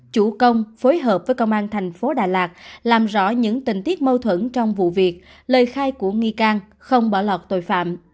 chủ công phối hợp với công an thành phố đà lạt làm rõ những tình tiết mâu thuẫn trong vụ việc lời khai của nghi can không bỏ lọt tội phạm